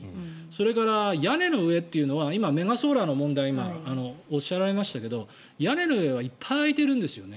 それから屋根の上というのは今、メガソーラーの問題をおっしゃられましたけれど屋根の上はいっぱい空いている。